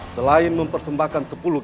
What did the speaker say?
selain mempersembahkan sepuluh gadis pengantin